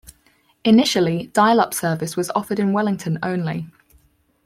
Initially, dialup service was offered in Wellington only.